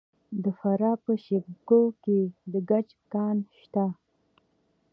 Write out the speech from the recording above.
د فراه په شیب کوه کې د ګچ کان شته.